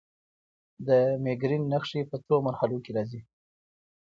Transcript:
د مېګرین نښې په څو مرحلو کې راځي.